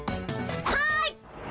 はい！